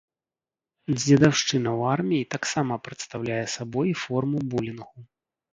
Дзедаўшчына ў арміі таксама прадстаўляе сабой форму булінгу.